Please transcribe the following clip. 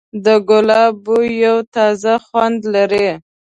د ګلاب بوی یو تازه خوند لري.